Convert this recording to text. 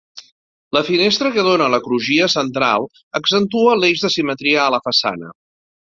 La finestra que dóna a la crugia central accentua l'eix de simetria a la façana.